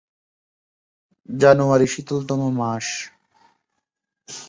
জানুয়ারি শীতলতম মাস।